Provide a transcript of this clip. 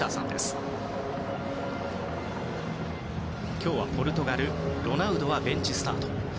今日はポルトガル、ロナウドはベンチスタート。